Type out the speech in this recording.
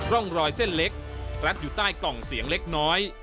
ร่องรอยเส้นเล็กรัดอยู่ใต้กล่องเสียงเล็กน้อย